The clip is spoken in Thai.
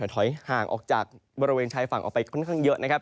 ถอยห่างออกจากบริเวณชายฝั่งออกไปค่อนข้างเยอะนะครับ